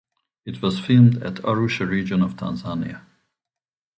It was filmed at Arusha region of Tanzania.